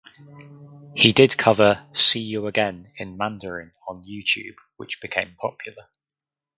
He did cover "See You Again" in Mandarin on Youtube which became popular.